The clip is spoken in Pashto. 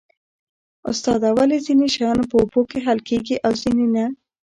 استاده ولې ځینې شیان په اوبو کې حل کیږي او ځینې نه